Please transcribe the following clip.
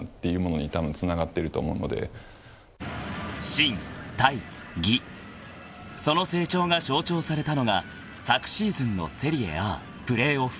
［心・体・技その成長が象徴されたのが昨シーズンのセリエＡプレーオフ］